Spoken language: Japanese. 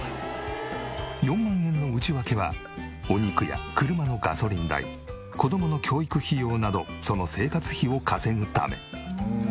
４万円の内訳はお肉や車のガソリン代子供の教育費用などその生活費を稼ぐため。